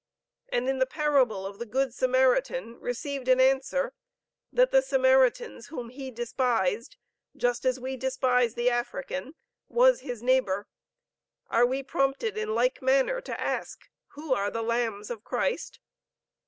and in the parable of the good Samaritan, received an answer that the Samaritans whom he despised, just as we despise the African, was his neighbor, are we prompted in like manner to ask, 'Who are the lambs of Christ?'